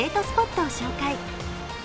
スポットを紹介。